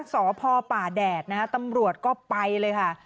สพป่าแดดนะฮะตำรวจก็ไปเลยค่ะ